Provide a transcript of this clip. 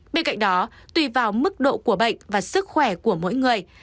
bên cạnh đó tùy vào mức độ của bệnh và sức khỏe của mỗi người